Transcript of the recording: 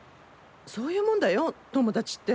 そういうもんだよ友達って。